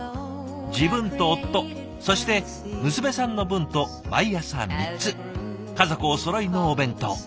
自分と夫そして娘さんの分と毎朝３つ家族おそろいのお弁当。